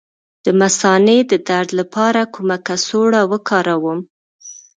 د مثانې د درد لپاره کومه کڅوړه وکاروم؟